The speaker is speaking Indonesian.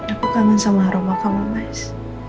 aku kangen sama aroma kamu mas